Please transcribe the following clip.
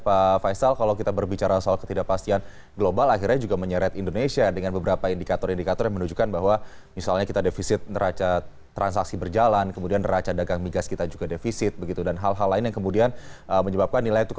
pak faisal kalau kita berbicara soal ketidakpastian global akhirnya juga menyeret indonesia dengan beberapa indikator indikator yang menunjukkan bahwa misalnya kita defisit neraca transaksi berjalan kemudian neraca dagang migas kita juga defisit begitu dan hal hal lain yang kemudian menyebabkan nilai tukar rupiah